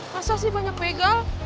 masa sih banyak begal